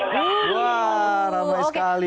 wow ramai sekali